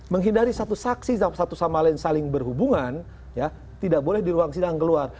menghindari satu saksi satu sama lain saling berhubungan tidak boleh di ruang sidang keluar